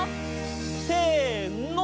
せの！